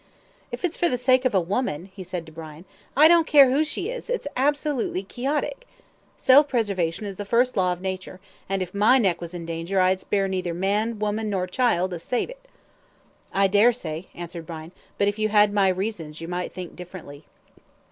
"If it's for the sake of a woman," he said to Brian, "I don't care who she is, it's absurdly Quixotic. Self preservation is the first law of nature, and if my neck was in danger I'd spare neither man, woman, nor child to save it." "I dare say," answered Brian; "but if you had my reasons you might think differently."